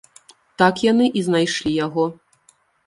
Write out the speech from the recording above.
Так яны і знайшлі яго.